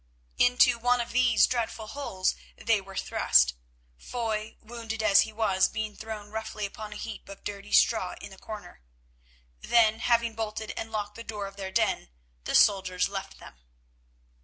Into one of these dreadful holes they were thrust, Foy, wounded as he was, being thrown roughly upon a heap of dirty straw in the corner. Then, having bolted and locked the door of their den, the soldiers left them.